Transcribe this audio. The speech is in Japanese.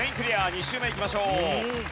２周目いきましょう。